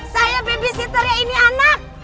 saya babysitternya ini anak